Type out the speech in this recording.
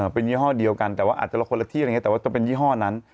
เป็นยี่ห้อเดียวกันแต่ว่าอาจจะลงคนละที่แต่ว่าจะเป็นยี่ห้อนั้น